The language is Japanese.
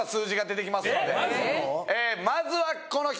まずはこの人！